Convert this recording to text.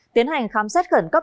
tiến hành khám xét khẩn cấp